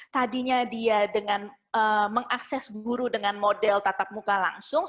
tadinya dia dengan mengakses guru dengan model tatap muka langsung